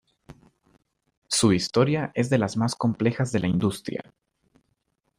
Su historia es de las más complejas de la industria.